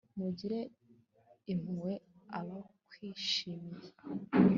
Mugirire impuhwe abakwishimiye